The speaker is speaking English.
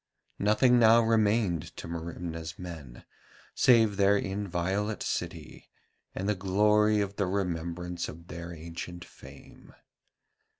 Nothing now remained to Merimna's men save their inviolate city and the glory of the remembrance of their ancient fame.